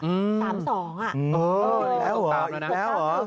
อ๋ออีก๖การ์๑นะ